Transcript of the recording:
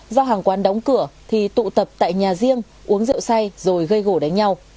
do hàng quán đóng cửa thì tụ tập tại nhà riêng uống rượu say rồi gây gỗ đánh nhau